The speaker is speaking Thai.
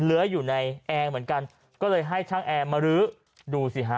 เลื้อยอยู่ในแอร์เหมือนกันก็เลยให้ช่างแอร์มารื้อดูสิฮะ